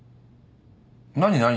何何？